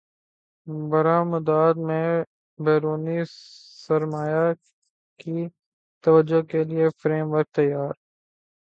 برامدات میں بیرونی سرمایہ کی توجہ کیلئے فریم ورک تیار